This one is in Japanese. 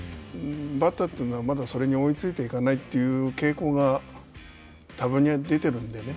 バッターはまだそれに追いついていかないという傾向がたぶんに出ているので。